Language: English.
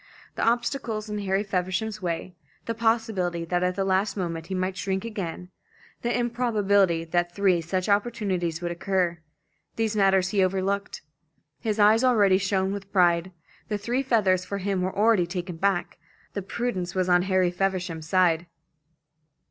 The obstacles in Harry Feversham's way, the possibility that at the last moment he might shrink again, the improbability that three such opportunities would occur these matters he overlooked. His eyes already shone with pride; the three feathers for him were already taken back. The prudence was on Harry Feversham's side.